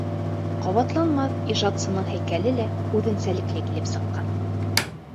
Ҡабатланмаҫ ижадсының һәйкәле лә үҙенсәлекле килеп сыҡҡан.